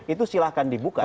itu silahkan dibuka